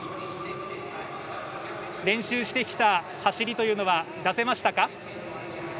練習してきた走りというのは出せましたか？